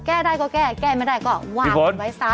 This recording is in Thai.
แก้ได้ก็แก้แก้ไม่ได้ก็วางกันไว้ซะ